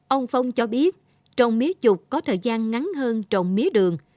ông phong cho biết trồng mía trục có thời gian ngắn hơn trồng mía đường